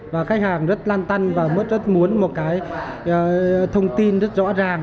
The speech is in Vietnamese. và khách hàng rất lan tăn và rất muốn một cái thông tin rất rõ ràng